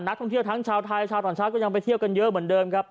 นักท่องเที่ยวทั้งชาวไทยชาวต่างชาติก็ยังไปเที่ยวกันเยอะเหมือนเดิมครับ